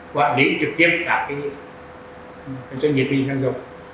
quản lý trực tiếp cả doanh nghiệp điện tử xăng dầu